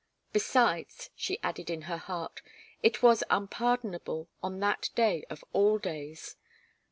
Besides, she added in her heart, it was unpardonable on that day of all days.